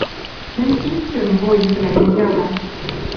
Мӹнь иктӹм, воинвлӓэм, ядам: